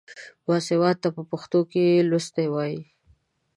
باسواده ته په پښتو کې لوستی وايي.